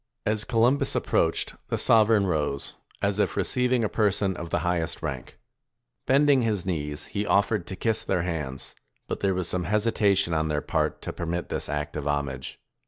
As Columbus approached, the sover eign rose, as if receiving a person of the highest rank. Bending his knees, he offered to kiss their hands; but there was some hesitation on their part to permit this act of homage.